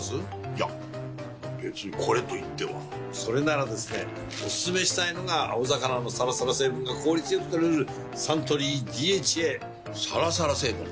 いや別にこれといってはそれならですねおすすめしたいのが青魚のサラサラ成分が効率良く摂れるサントリー「ＤＨＡ」サラサラ成分？